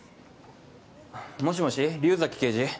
もしもし竜崎刑事。